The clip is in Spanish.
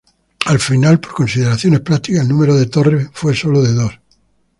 Al final, por consideraciones prácticas, el número de torres fue solo de dos.